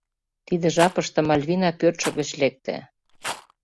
Тиде жапыште Мальвина пӧртшӧ гыч лекте.